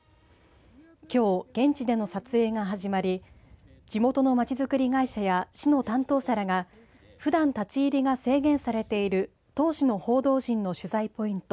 きょう現地での撮影が始まり地元のまちづくり会社や市の担当者らがふだん立ち入りが制限されている当時の報道陣の取材ポイント